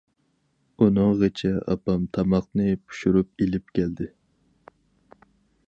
ئۇنىڭغىچە ئاپام تاماقنى پۇشۇرۇپ ئېلىپ كەلدى.